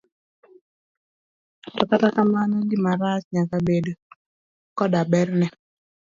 To kata kamano, gima rach nyaka bed koda berne.